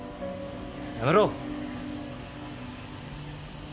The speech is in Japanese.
やめろ！